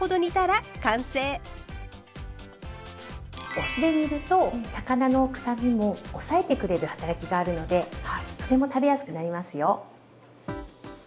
お酢で煮ると魚のくさみも抑えてくれる働きがあるのでとても食べやすくなりますよ。